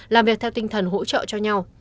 làm việc theo tinh thần hỗ trợ cho nhau